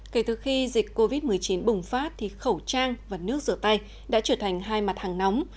kể từ khi dịch covid một mươi chín bùng phát thì khẩu trang và nước rửa tay đã trở thành hai mặt hàng nóng